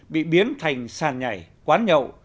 bị biến thành sàn nhảy quán nhậu